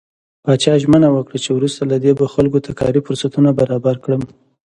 پاچا ژمنه وکړه چې وروسته له دې به خلکو ته کاري فرصتونه برابر کوم .